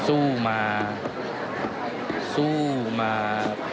สู้มาสู้มา